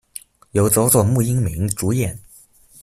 由佐佐木英明主演。